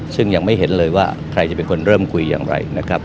ซึ่งยังไม่เห็นเลยว่าใครจะเป็นคนเริ่มคุยอย่างไรนะครับ